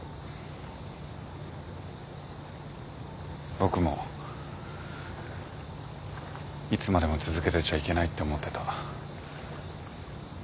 僕もいつまでも続けてちゃいけないって思ってた。